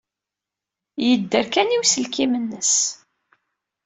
Yedder kan i uselkim-nnes.